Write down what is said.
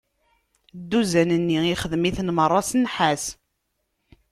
Dduzan-nni ixdem-iten meṛṛa s nnḥas.